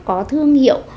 có thương hiệu